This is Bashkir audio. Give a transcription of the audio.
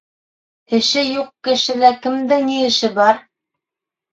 Эше юҡ кешелә кемдең ни эше бар?